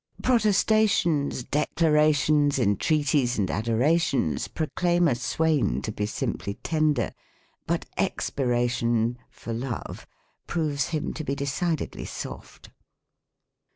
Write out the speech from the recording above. Protestations, declarations, entreaties, and adorations, proclaim a swain to be simply tender; but expiration (for love) proves him to be decidedly soft.